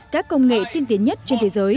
các công nghệ tiên tiến nhất trên thế giới